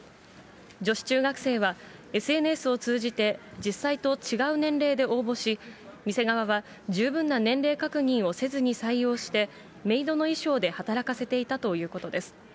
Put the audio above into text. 女子中学生はＳＮＳを通じて実際と違う年齢で応募し、店側は十分な年齢確認をせずに採用して、メイドの衣装で働かせていたということです。